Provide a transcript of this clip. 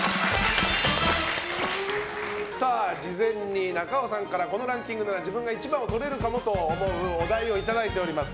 事前に中尾さんからこのランキングなら自分が１番をとれるかもと思うお題をいただいております。